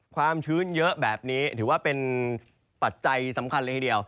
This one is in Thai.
ความชื้นเยอะแบบนี้ถือว่าเป็นปัจจัยสำคัญเลยทีเดียว